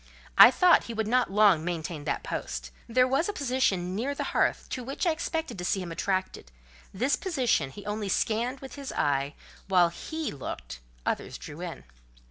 I thought he would not long maintain that post: there was a position near the hearth to which I expected to see him attracted: this position he only scanned with his eye; while he looked, others drew in.